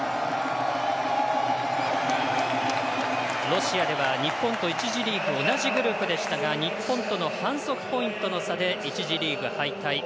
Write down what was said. ロシアでは日本と１次リーグ同じグループでしたが日本との反則ポイントの差で１次リーグ敗退。